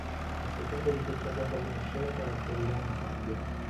A seconda di che casata viene scelta la storyline cambia.